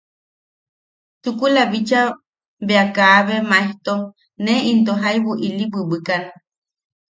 Chukula bicha bea kabe Maejtom ne into jaubu ili bwibwikan.